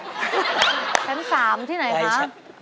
ชั้น๓ที่ไหนคะ